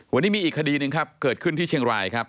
วันนี้มีอีกคดีหนึ่งครับเกิดขึ้นที่เชียงรายครับ